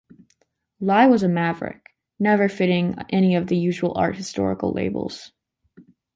Lye was a maverick, never fitting any of the usual art historical labels.